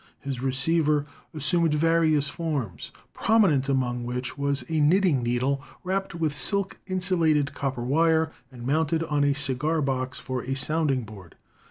His receiver assumed various forms, prominent among which was a knitting needle wrapped with silk insulated copper wire and mounted on a cigar box for a sounding board.